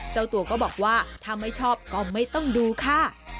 เจ้าตัวก็บอกว่าถ้าไม่ชอบก็ไม่ต้องดูค่ะ